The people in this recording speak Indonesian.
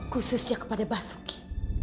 khususnya kepada basuki